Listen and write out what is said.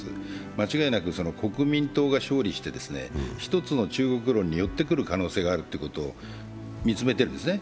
間違いなく国民党が勝利して一つの中国論に寄ってくる可能性があることを見つめているんですね。